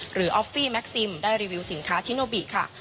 ออฟฟี่แม็กซิมได้รีวิวสินค้าชิโนบิค่ะ